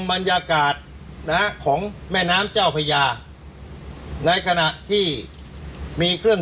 บรรยากาศนะฮะของแม่น้ำเจ้าพญาในขณะที่มีเครื่อง